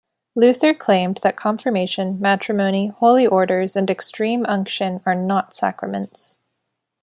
Luther claimed that Confirmation, Matrimony, Holy Orders, and Extreme Unction are not sacraments.